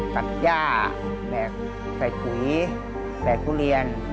ซักย่าใส่ขุยใส่กุเรียน